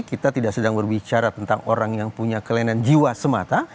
kita tidak sedang berbicara tentang orang yang punya kelainan jiwa semata